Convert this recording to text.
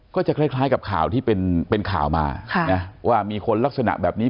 ก็จะคล้ายกับข่าวที่เป็นข่าวมาว่ามีคนลักษณะแบบนี้